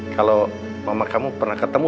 kalau mama kamu pernah ketemu